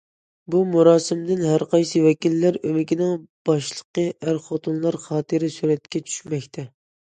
بۇ مۇراسىمىدىن ھەر قايسى ۋەكىللەر ئۆمىكىنىڭ باشلىقى ئەر- خوتۇنلار خاتىرە سۈرەتكە چۈشمەكتە.